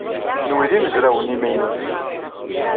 Kenwi d imezrawen imaynuten.